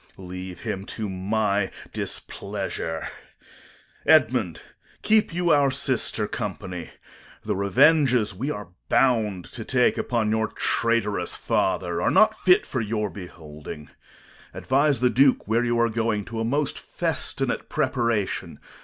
Corn. Leave him to my displeasure. Edmund, keep you our sister company. The revenges we are bound to take upon your traitorous father are not fit for your beholding. Advise the Duke where you are going, to a most festinate preparation.